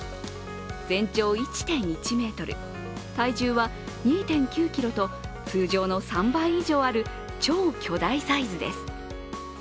全長１．１ｍ、体重は２．９ｋｇと通常の３倍以上ある超巨大サイズです。